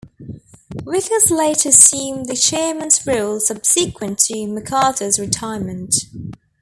Vickers later assumed the Chairman's role subsequent to MacArthur's retirement.